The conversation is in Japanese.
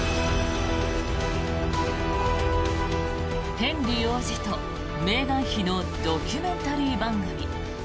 ヘンリー王子とメーガン妃のドキュメンタリー番組。